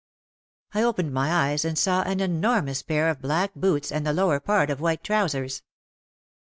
I opened my eyes and saw an enormous pair of black boots and the lower part of white trousers.